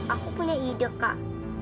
aku punya ide kak